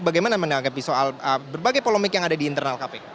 bagaimana menanggapi soal berbagai polemik yang ada di internal kpk